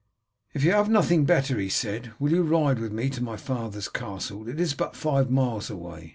"If you have nothing better," he said, "will you ride with me to my father's castle, it is but five miles away?